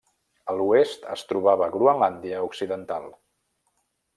A l'oest es trobava Groenlàndia Occidental.